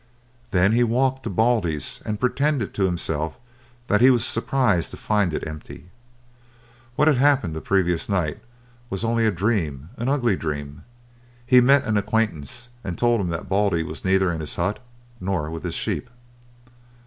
Then he walked to Baldy's and pretended to himself that he was surprised to find it empty. What had happened the previous night was only a dream, an ugly dream. He met an acquaintance and told him that Baldy was neither in his hut nor with his sheep.